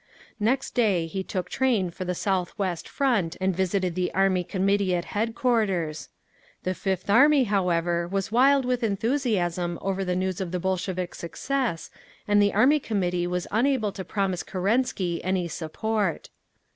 Next day he took train for the South West Front, and visited the Army Committee at headquarters. The Fifth Army, however, was wild with enthusiasm over the news of the Bolshevik success, and the Army Committee was unable to promise Kerensky any support.